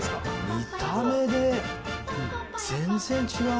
見た目で全然違う！